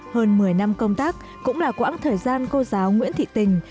hơn một mươi năm công tác cũng là quãng thời gian cô giáo nguyễn thị tình